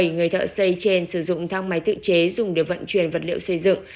bảy người thợ xây trên sử dụng thang máy tự chế dùng để vận chuyển vật liệu xây dựng